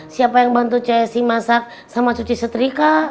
siapa yang bantu csi masak sama cuci setrika